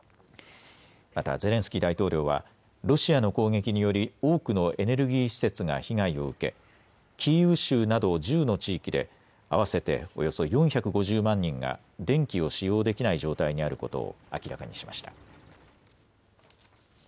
また、ゼレンスキー大統領はロシアの攻撃により多くのエネルギー施設が被害を受け、キーウ州など１０の地域で合わせておよそ４５０万人が電気を使用できない状態にあることを明らかにしました。